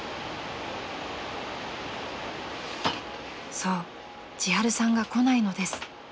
［そうちはるさんが来ないのです］